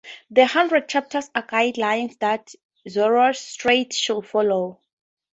The hundred chapters are guidelines that Zoroastrians should follow.